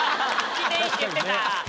きて良いって言ってた。